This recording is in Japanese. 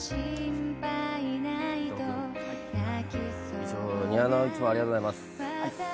伊藤君、いつもありがとうございます。